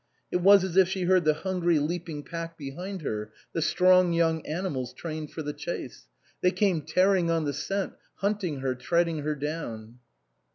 It was as if she heard the hungry, leaping pack behind her, 236 BASTIAN CAUTLEY, M.D the strong young animals trained for the chase ; they came tearing on the scent, hunting her, treading her down.